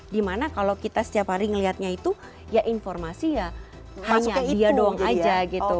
dimana kalau kita setiap hari melihatnya itu ya informasi ya hanya dia doang aja gitu